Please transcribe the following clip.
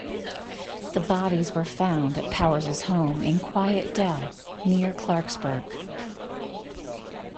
The bodies were found at Powers's home in Quiet Dell, near Clarksburg.